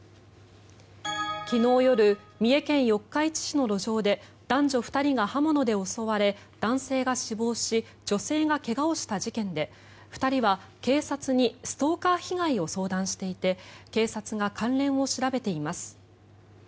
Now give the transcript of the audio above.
昨日夜、三重県四日市市の路上で男女２人が刃物で襲われ男性が死亡し女性が怪我をした事件で２人は警察にストーカー被害を相談していて警察が関連を調べています。